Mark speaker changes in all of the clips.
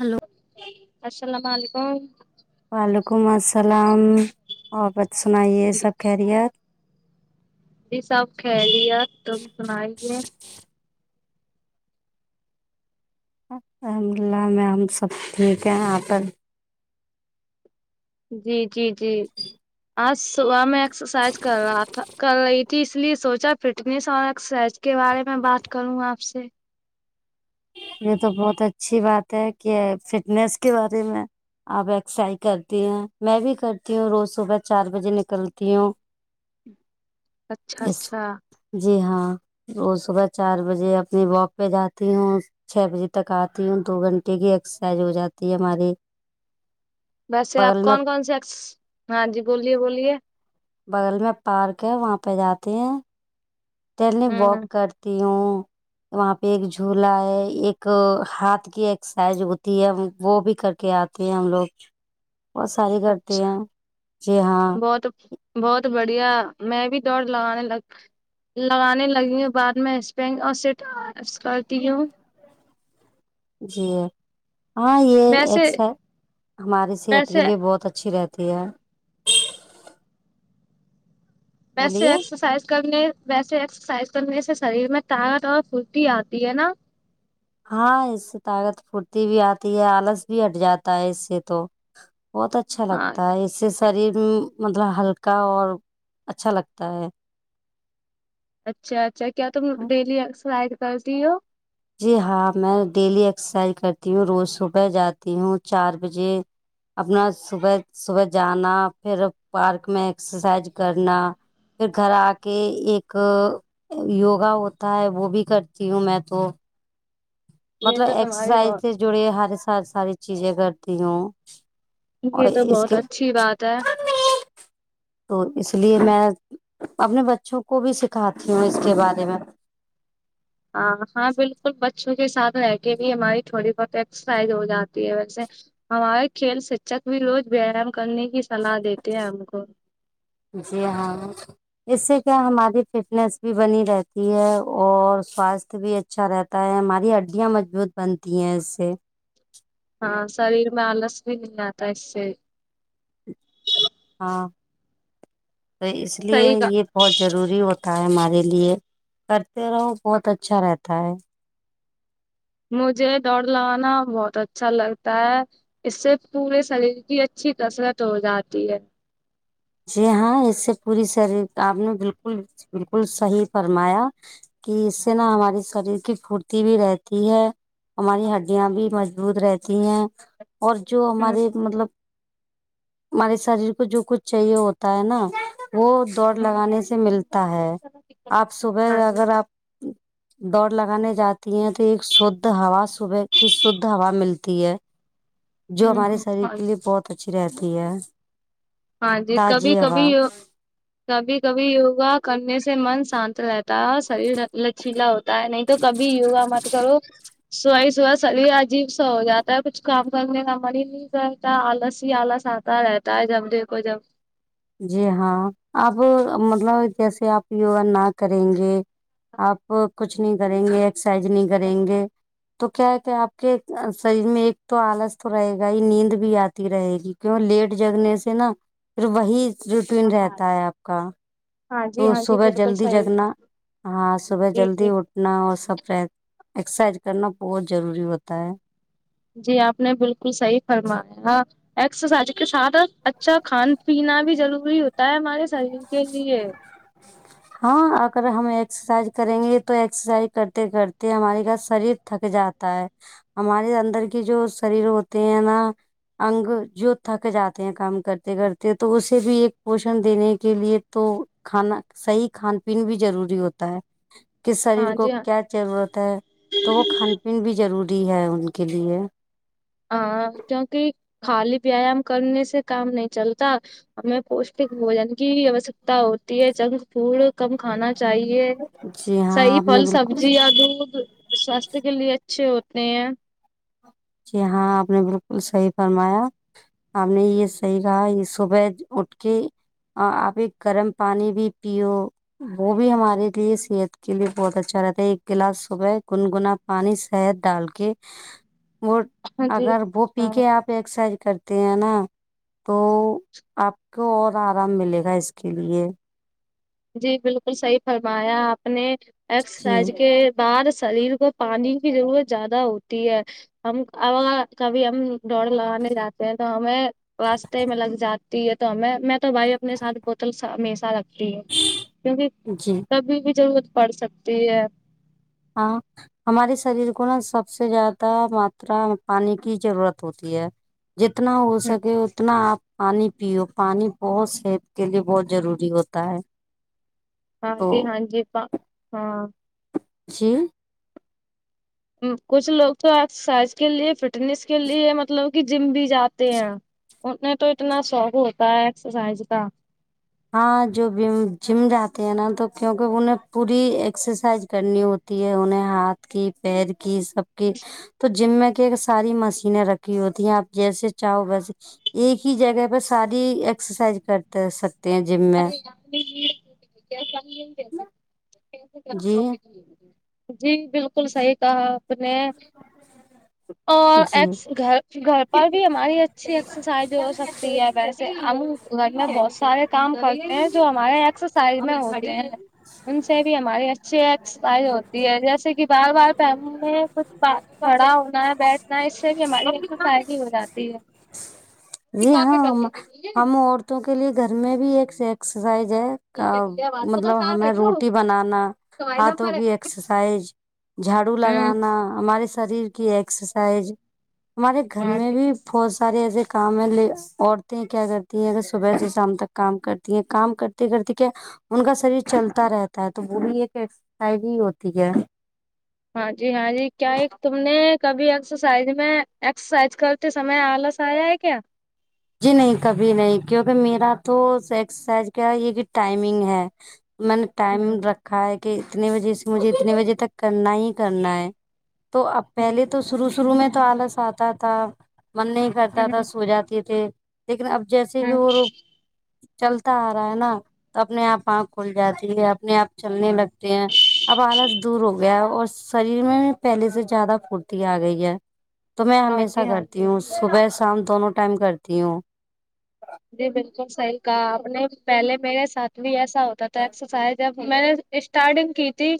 Speaker 1: hello
Speaker 2: السلام علیکم
Speaker 1: وعلیکم السلام اور بت سنائیے سب خیریت
Speaker 2: جی سب قیریت تم سنائیے
Speaker 1: الحمد اللہ میں ہم سب ٹھیک ہیں یہاں پر
Speaker 2: جی جی جی آج صبح میں ایکسرسائز کر رہا تھا کر رہیھی جی اس لیے سوچا فٹنیس اور ایکسرسائز کے بارے میں بات کروں آپ سے
Speaker 1: یہ تو بہت اچھی بات ہے کہ فٹنیس کے بارے میں اب ایکسرسائز کرتی ہیں میں بھی کرتی ہوں روز صبح چار بجے نکلتی ہوں
Speaker 2: اچھا
Speaker 1: اس
Speaker 2: اچھا
Speaker 1: جی ہاں وہ صبح چار بجے اپنی واک پہ جاتی ہوں چھ بجے تک آتی ہوں دو گھنٹے کی ایکسرسائز ہو جاتی ہے ہماری
Speaker 2: ویسے آپ
Speaker 1: بغل میں
Speaker 2: کون کون سے ہاں جی بولیے بولیے
Speaker 1: بغل میں پارک ہے وہاں پہ جاتے ہیں ڈیلی واک
Speaker 2: ہوں
Speaker 1: کرتی ہوں وہاں پہ ایک جھولا ہے ایک ہاتھ کی ایکسرسائز ہوتی ہے وہ بھی کر کے تی ہم لوگ بہت ساری کرتے
Speaker 2: اچھا
Speaker 1: ہیں جی ہاں
Speaker 2: بہت بہت بڑھیا میں بھی دوڑ لگانے لگ لگانے لگی ہوں بعد میں پین آ سٹ اس کرتی ہوں
Speaker 1: جی یہ ہاں یہ
Speaker 2: ویسے
Speaker 1: ایکا ہماری صحت کے
Speaker 2: ویسے
Speaker 1: لیے بہت اچھی رہتی جیا
Speaker 2: ویسے
Speaker 1: بولیے
Speaker 2: ایکسرسائز کرنے ویسے ایکسرسائز کرنے سے شریر میں طاقت اور پھرتی آتی ہے نا
Speaker 1: ہاں اس سے طاقت پھرتی بھی آتی ہے آلس بھی ہٹ جاتا ہے اس سے تو بہت اچھا اچھا
Speaker 2: ہاں
Speaker 1: لگتا ہے اس سے شریر مطلب ہلکا اور اچھا لگتا ہے
Speaker 2: اچھا اچھا کیا تم ڈیلی ایکسرسائز کرتی ہو
Speaker 1: جی ہاں میں ڈیلی ایکسرسائز کرتی ہوں روز صبح جاتی ہوں چار بجے اپنا صبح صبح جانا پھر پارک میں ایکسرسائز کرنا پھر گھر آ کے ایک یوگا ہوتا ہے وہ بھی کرتی ہوں میں تو
Speaker 2: یہ
Speaker 1: مطلب
Speaker 2: تو تمہاری
Speaker 1: ایکسرسائز سے
Speaker 2: بہت
Speaker 1: جڑی ہر ساری چیزیں کرتی ہوں اور
Speaker 2: یہ تو
Speaker 1: اس
Speaker 2: بہت
Speaker 1: کے
Speaker 2: اچھی بات ہے
Speaker 1: تو اس لیے میں اپنے بچوں کو بھی سکھاتی ہوں اس کے بارے میں
Speaker 2: ہ ہاں بالکل بچوں کے ساتھ رہ کے بھی ہماری تھوڑی بہت ایکسرسائز ہو جاتی ہے ویسے ہمارے کھیل شھک بھی روز ویایام کرنے کی سلاح دیتے ہیں ہم کو
Speaker 1: جی ہاں اس سے کیا ہماری فٹنس بھی بنی رہتی ہے اور سواستھ بھی اچ اچھا رہتا ہے ہماری ہڈیاں مضبوط بنتی ہیں اس سے
Speaker 2: ہاں شریر میں آلس بھی نہیں آتا اس سے
Speaker 1: ہاں تو اس لیے
Speaker 2: صحیح کا
Speaker 1: یہ بہت ضروری ہوتا ہے ہمارے لیے کرتے رہو بہت اچھا رہتا ہے
Speaker 2: مجھے دوڑ لگانا بہت اچھا لگتا ہے اس سے پورے شریر کی اچھی کثرت ہو جاتی ہے
Speaker 1: جی ہاں اس سے پوری شریر آپ نے بالکل بالکل صحیح فرمایا کہ اس سے نا ہماری شریر کی پورتی بھی رہتی ہے ہماری ہڈیاں بھی مضبوط رہتی ہیں اور جو
Speaker 2: ہوں
Speaker 1: ہمارے مطلب ہمارے شریر کو جو کچھ چاہیے ہوتا ہے نا وہ دوڑ
Speaker 2: ہوں
Speaker 1: لگانے سے ملتا ہے آپ صبح
Speaker 2: ہاں جی
Speaker 1: اگر آپ دوڑ لگانے جاتی ہیں تو ایک شدھ ہوا صبح کی شدھ ہوا ملتی ہے جو
Speaker 2: ہوں
Speaker 1: ہمارے
Speaker 2: ہوں
Speaker 1: شریر کے لیے بہت اچھی رہتی ہے
Speaker 2: ہاں جی کبھی
Speaker 1: تازی ہوا
Speaker 2: کبھی کبھی کبھی یوگا کرنے سے من شانت رہتا ہے اور شریر لچیلا ہوتا ہے نہیں تو کبھی یوگا مت کرو سویے سویے شریر عجیب سا ہوجاتا ہے کچھ کام کرنے کا من ہی نہیں رہتا ہے آلس ہی آلس آتا رہتا ہے جب دیکھو جب
Speaker 1: جی ہاں آپ مطلب جیسے آپ یوگا نہ کریں گے آپ کچھ نہیں کریں گے ایکسرسائز نہیں کریں گے تو کیا ہے کہ آپ کے شریر میں ایک تو آلس تو رہے گا ہی نیند بھی آتی رہے گی کیوں لیٹ جگنے سے نا پھر وہی روٹین رہتا ہے آپ کا
Speaker 2: ہاں
Speaker 1: تو
Speaker 2: جی ہاں جی
Speaker 1: صبح
Speaker 2: بالکل
Speaker 1: جلدی
Speaker 2: صحیح
Speaker 1: جگنا ہاں صبح
Speaker 2: جی جی
Speaker 1: جلدی اٹھ نا اور سب ایکسرسائز کرنا بہت ضروری ہوتا ہے
Speaker 2: جی آپ نے بالکل صحیح فرمایا ہاں ایکسرسائز کے ساتھ اچھا کھان پینا بھی ضروری ہوتا ہے ہمارے شریر کے لیے
Speaker 1: [inaudible] ہاں اگر ہم ایکسرسائز کریں گے تو ایکسرسائز کرتے کرتے ہماری گ شریر تھک جاتا ہے ہمارے اندر کی جو شریر ہوتے ہیں نا انگ جو تھک جاتے ہیں کام کرتے کرتے تو اسے بھی ایک پوشن دینے کے لیے تو کھانا صحیح کھان پین بھی ضروری ہوتا ہے کہ شریر
Speaker 2: ہاں
Speaker 1: کو
Speaker 2: جی ہاں
Speaker 1: کیا ضرورت ہے تو وہ کھان پین بھی ضروری ہے ان کے لیے
Speaker 2: ہاں کیونکہ خالی ویایام کرنے سے کام نہیں چلتا ہمیں پوشٹک بوجن کی آوشکتا ہوتی ہے جنک فوڈ کم کھانا چاہیے
Speaker 1: جی ہاں
Speaker 2: صحیح
Speaker 1: آپ نے
Speaker 2: پھل
Speaker 1: بالکل
Speaker 2: سبزی یا دودھ سوستھ کے لیے اچھے ہوتے ہیں
Speaker 1: جی ہاں آپ نے بالکل صحیح فرمایا ہم نے یہ صحیح کہا یہ صبح اٹھ کے اور آپ ایک گرم پانی بھی پیو وہ بھی ہمارے لیے صحت کے لیے بہت اچھا رہتا ہے ایک گلاس صبح گنگنا پانی شہد ڈال کے وہ
Speaker 2: ہاں جی
Speaker 1: اگر وہ پی
Speaker 2: ہاں
Speaker 1: کے آپ ایکسرسائز کرتے ہیں نا تو آپ کو اور آرام ملے گا اس کے لیے
Speaker 2: جی بالکل صحیح فرمایا آپ نے
Speaker 1: جی
Speaker 2: ایکسرسائز کے بار شریر کو پانی کی ضرورت زیادہ ہوتی ہے ہم اب ا کبھی ہم دوڑ لگانے جاتے ہیں تو ہمیں راستے میں لگ جاتی ہے تو ہمیں میں تو بھائی اپنے ساتھ بوتل ہمیشہ رکھتی ہوں کیونکہ
Speaker 1: جی
Speaker 2: کبھی بھی ضرورت پڑ سکتی ہے
Speaker 1: آ ہمارے شریر کو نا سب سے زیادہ ماترا پانی کی ضرورت ہوتی ہے جتنا ہو سکے اتنا آپ پانی پیو پانی بہت صحت کے لیے بہت ضروری ہوتا ہے
Speaker 2: ہاں
Speaker 1: تو
Speaker 2: جی ہاں جی پا ہاں
Speaker 1: جی
Speaker 2: کچھ لوگ تو ایکسرسائز کے لیے فٹنیس کے لیے مطلب کہ جم بھی جاتے ہیں ان میں تو اتنا شوق ہوتا ہے ایکسرسائز کا
Speaker 1: ہاں جو جم جاتے ہیں نا تو کیونکہ انہیں پوری ایکسرسائز کرنی ہوتی ہے انہیں ہاتھ کی پیر کی سب کی تو جم میں کی ایک ساری مشینیں رکھی ہوتی ہیں آپ جیسے چاہو ویسے ایک ہی جگہ پے ساری ایکسرسائز کرتا ہے سب
Speaker 2: ارے کیا [unintelligible]
Speaker 1: جی
Speaker 2: جی بالکل صحیح کہا آپ نے اور
Speaker 1: جی
Speaker 2: ایک گھر گھر پر بھی ہماری اچھی ایکسرسائز ہو سکتی ہے ویسے ہم گھر میں بہت سارے کام کرتے ہیں جو ہمارے ایکسرسائز میں ہوتے ہیں ان سے بھی ہمارے اچھے سپائ ہوتی ہے جیسے کہ بار بار پیم میں کچھ کھڑا ہونا ہے بیٹ نہ اس سے بھی ہماری فائدی ہو جاتی ہے
Speaker 1: جی ہاں ہم عورتوں کے لیے گھر میں بھی ایک ایکسرسائز ہے مطلب ہمیں روٹی بنانا ہاتوں کی ایکسرسائز جھاڑو
Speaker 2: ہوں
Speaker 1: لگانا ہمارے شریر کی ایکسرسائز ہمارے گھر
Speaker 2: ہاں
Speaker 1: میں
Speaker 2: جی
Speaker 1: بھی بہت سارے ایسے کام ہیں ل عورتیں کیا کرتی ہیں اگر صبح سے شام تک کام کرتی ہیں کام کر کرتی کیا ان کا شریر چلتا رہتا ہے تو وہ بھی ایک ایکسرسائز ہی ہوتی ہے
Speaker 2: ہاں جی ہاں جی کیا ایک تم نے کبھی ایکسرسائز میں ایکسرسائز کر تے سمے آلس آیا ہے کیا
Speaker 1: جی نہیں کبھی نہیں کیونکہ میرا تو ایکسرسائز کیا یہ کہ ٹائمنگ ہے میں نے ٹائم
Speaker 2: ہوں
Speaker 1: رکھا ہے کہ اتنے بجے سے مجھے اتنے بجے تک کرنا ہی کرنا ہے تو اب
Speaker 2: ہوں
Speaker 1: پہلے تو شروع شروع میں تو آلس آتا تھا من نہیں کرتا تھا سو جاتے کہ لیکن اب جیسے بھی
Speaker 2: ہوں
Speaker 1: وہ چلتا آ رہا ہے نا تو اپنے آپ آنکھ کھل جاتی ہے اپنے آپ چلنے لگتے ہیں اب آلس دور ہو گیا ہے اور شریر میں پہلے سے زیادہ پورتی آ گئی ہے تو میں
Speaker 2: ہاں
Speaker 1: ہمیشہ
Speaker 2: جی ہاں
Speaker 1: کرتی
Speaker 2: جی
Speaker 1: ہوں صبح شام دونوں ٹائم کرتی ہوں
Speaker 2: جی بالکل صحیح کہا آپ نے پہلے میرے ساتھ بھی ایسا ہوتا تھا ایکسرسائز اب میں نے اسٹارٹنگ کی تھی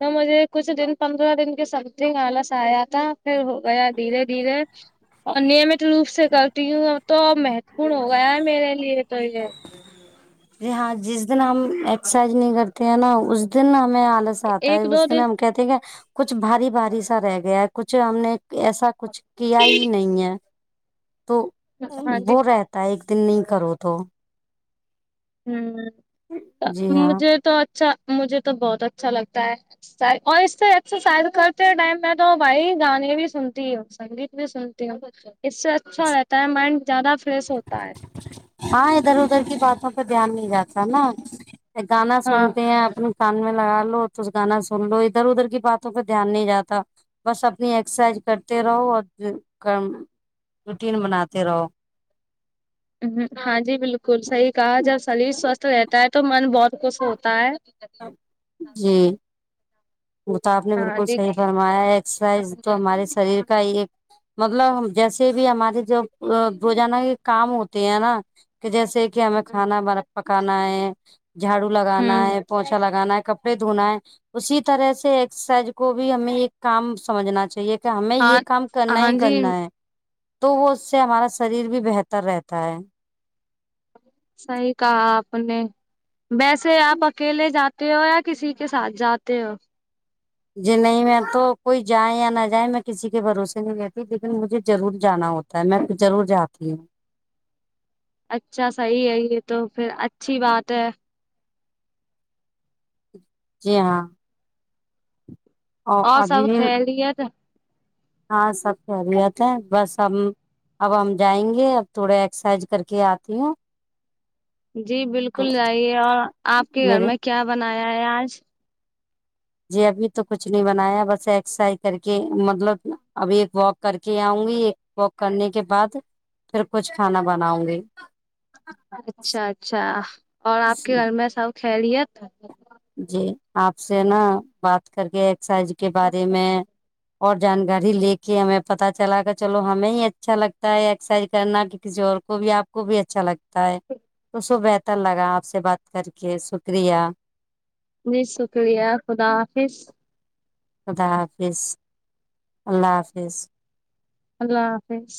Speaker 2: تو مجھے کچھ دن پندرہ دن کے سمتنگ آلس آیا تھا پھر ہو گیا دھیرے دھیرے نمت روپ سے کرتی ہوں تو میں لیے تو یہ ج [unintelligible]
Speaker 1: جی ہاں جس دن ہم ایکسرسائز نہیں کرتے ہیں نا اس دن ہمیں آلس آتا ہے
Speaker 2: ایک دو
Speaker 1: اس دن ہم کہتے ہیں کہ کچھ بھاری بھاری سا رہ گیا ہے کچھ ہم نے ایسا کچھ کیا ہی نہیں ہے تو
Speaker 2: ہاں جی
Speaker 1: کہتا ہے ایک دن نہیں کرو تو جی
Speaker 2: ہمم
Speaker 1: ہاں
Speaker 2: مجھے تو اچھا مجھے تو بہت اچھا لگتا ہے ایکسرسائز، اور اس سے ایکسرسائز کرتے ٹائم میں تو بھائی گانے بھی سنتی ہو سنگیت میں سنتی ہوں اس سے اچھا رہتا ہے مائنڈ زیادہ فریش ہوتا ہے
Speaker 1: ہاں ادھر ادھر کی باتوں پہ دھیان نہیں جاتا نا گانا
Speaker 2: ہاں
Speaker 1: سنتے ہیں اپنے کان میں لگا لو تو گانا سن لو ادھر ادھر کی باتوں پہ دھیان نہیں جاتا بس اپنی ایکسرسائز کرتے رہو اور روٹین بناتے رہو
Speaker 2: ہاں جی بالکل صحیح کہا جب شریر سوستھ رہتا ہے تو من بہت خوش ہوتا ہے
Speaker 1: جی وہ تو آپ نے
Speaker 2: ہاں
Speaker 1: بالکل
Speaker 2: جی
Speaker 1: صحیح فرمایا ایکسرسائز تو ہمارے شریر کا ہی ایک مطلب جیسے بھی ہمارے جب روزانہ یہ کام ہوتے ہیں نا کہ جیسے کہ ہمیں کھانا بنا پکانا ہے جھاڑو لگانا
Speaker 2: ہوں
Speaker 1: ہے پوچھا لگانا ہے کپڑے دھونا ہے اسی اسطرح سے ایکسرسائز کو بھی ہمیں ایک کام سمجھنا چاہیے کیا ہمیں یہ
Speaker 2: ہاں
Speaker 1: کام کرنا
Speaker 2: ہاں
Speaker 1: ہی
Speaker 2: جی
Speaker 1: کرنا ہے تو وہ اس سے ہمارا شریر بھی بہتر رہتا ہے
Speaker 2: صحیح کہا آپ نے ویسے آپ اکیلے جاتے ہو یا کسی کے ساتھ جاتے ہو
Speaker 1: جی نہیں میں تو کوئی جائیں یا نہ جائیں میں کسی کے بھروسے نہیں رہتی لیکن مجھے ضرور جانا ہوتا تو میں پھر ضرور جاتی ہوں
Speaker 2: اچھا صحیح ہے یہ تو پھر اچھی بات ہے
Speaker 1: جی ہاں
Speaker 2: اور سب خیریت ہے
Speaker 1: ہاں سب خیریت ہے بس اب اب ہم جائیں گے اب تھوڑا ایکسرسائز کر کے آتی ہوں
Speaker 2: جی بالکل جائیے اور آپ کے گھر
Speaker 1: میرے
Speaker 2: میں کیا بنایا ہے آج
Speaker 1: جی ابھی تو کچھ نہیں بنایا بس ایکسرسائز کر کے مطلب ابھی ایک واک کر کے آؤں گی واک کرنے کے بعد پھر کچھ کھانا بناؤ گی
Speaker 2: اچھا اچھا اور آپ کے گھر میں سب خیلیت
Speaker 1: جی آپ سے نا بات کر کے ایکسرسائز کے بارے میں اور جانکاری لے کے ہمیں پتا چلا کہ چلو ہمیں ہی اچھا لگتا ہے ایکسرسائز کرنا کہ کسی اور کو کو بھی آپ کو بھی اچھا لگتا تو اس کو بہتر لگا آپ سے بات کر کے شکریہ
Speaker 2: جی شکریہ خدا حافظ
Speaker 1: خدا حافظ اللہ حافظ
Speaker 2: اللہ حافظ